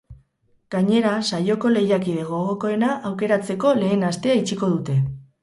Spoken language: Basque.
Gainera, saioko lehiakide gogokoena aukeratzeko lehen astea itxiko dute.